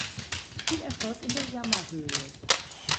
Viel Erfolg in der Jammerhöhle.